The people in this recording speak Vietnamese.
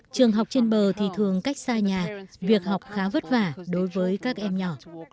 trường học trên bờ thì thường cách xa nhà việc học khá vất vả đối với các em nhỏ